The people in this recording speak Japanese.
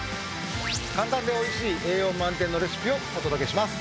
簡単でおいしい栄養満点のレシピをお届けします。